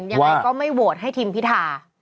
ยังไงก็ไม่โหวตให้ทีมพิธา